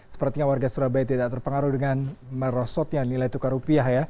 sepertinya warga surabaya tidak terpengaruh dengan merosotnya nilai tukar rupiah ya